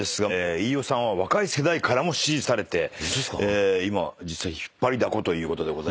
飯尾さんは若い世代からも支持されて今実際引っ張りだこということでございますね。